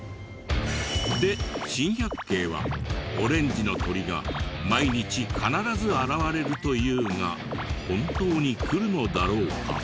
で珍百景はオレンジの鳥が毎日必ず現れるというが本当に来るのだろうか？